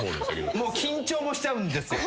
緊張もしちゃうんですよ。